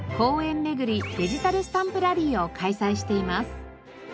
めぐりデジタルスタンプラリーを開催しています。